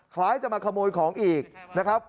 คล้ายจะมาขโมยของอีกนะครับ